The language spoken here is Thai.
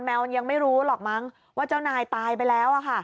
แมวมันยังไม่รู้หรอกมั้งว่าเจ้านายตายไปแล้ว